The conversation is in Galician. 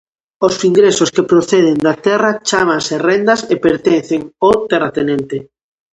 Os ingresos que proceden da terra chámanse rendas, e pertencen ao terratenente.